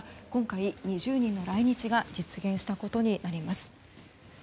今回２０人の来日が実現したことになります。